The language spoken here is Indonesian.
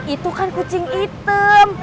itu kan kucing item